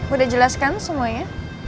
udah jelas kan semuanya